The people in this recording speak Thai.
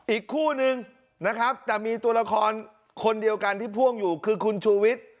อีกคู่นึงนะครับแต่มีตัวละครคนเดียวกันที่พ่วงอยู่คือคุณชูวิทย์